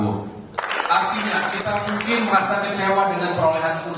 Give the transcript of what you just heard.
pertama kali mengatakan bahwa partai demokrat tetap menjadi bagian dari koalisi yang lama